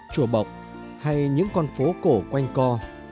chùa bọc hay những con phố cổ quanh co